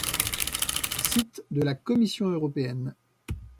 Site de la Commission européenne.